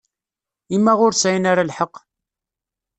I ma ur sεin ara lḥeqq?